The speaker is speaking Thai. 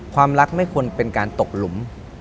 ความรักไม่ควรเป็นการตกหลุม